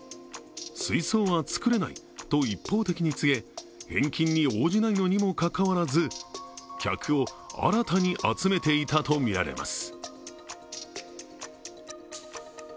水槽は作れないと一方的に告げ返金に応じないのにもかかわらず、客を新たに集めていたとみられます。